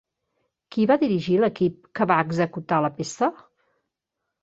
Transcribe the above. Qui va dirigir l'equip que va executar la peça?